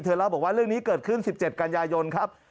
เล่าบอกว่าเรื่องนี้เกิดขึ้น๑๗กันยายนครับ